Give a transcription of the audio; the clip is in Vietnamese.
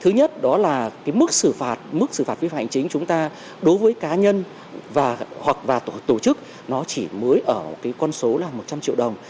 thứ nhất đó là mức xử phạt vi phạm hành chính chúng ta đối với cá nhân hoặc tổ chức nó chỉ mới ở con số là một trăm linh triệu đồng